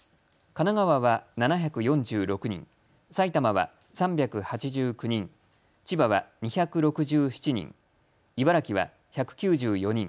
神奈川は７４６人、埼玉は３８９人、千葉は２６７人、茨城は１９４人